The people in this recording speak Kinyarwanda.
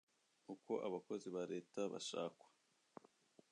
Uko Abakozi ba Leta bashakwa